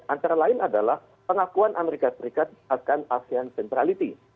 antara lain adalah pengakuan amerika serikat akan asean centrality